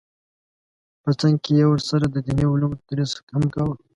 په څنګ کې یې ورسره د دیني علومو تدریس هم کاوه